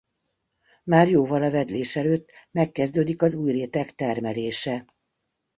Már jóval a vedlés előtt megkezdődik az új réteg termelése.